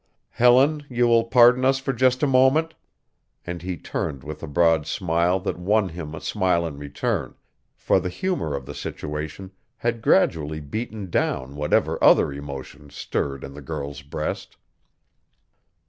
Helen you will pardon us for just a moment," and he turned with a broad smile that won him a smile in return, for the humor of the situation had gradually beaten down whatever other emotions stirred in the girl's breast.